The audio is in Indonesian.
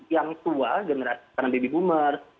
yang tua generasi tanah baby boomer